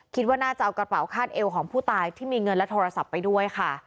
คิดว่าน่าจะเอากระเป๋าคาดเอวของผู้ตายที่มีเงินและโทรศัพท์ไปด้วยค่ะ